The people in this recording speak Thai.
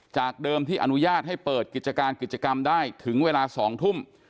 จากเดิมที่อนุญาตให้เปิดกิจการกิจกรรมได้ถึงเวลา๒ทุ่ม